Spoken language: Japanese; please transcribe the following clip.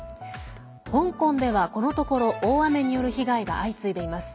香港では、このところ大雨による被害が相次いでいます。